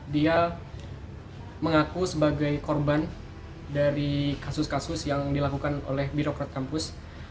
dia mengaku sebagai korban dari kasus kasus yang dilakukan oleh birokrat kampus